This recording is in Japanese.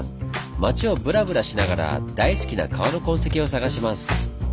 町をブラブラしながら大好きな川の痕跡を探します。